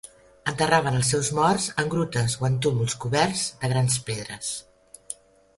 Enterraven els seus morts en grutes o en túmuls coberts de grans pedres.